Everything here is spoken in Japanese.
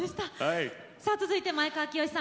さあ続いて前川清さん